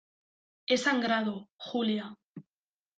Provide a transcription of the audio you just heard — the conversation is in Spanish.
he sangrado, Julia.